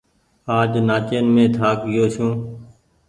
آج نآچين مين ٿآڪ گيو ڇون۔